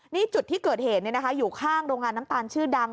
นี่จุดที่เกิดเหตุอยู่ข้างโรงงานน้ำตาลชื่อดัง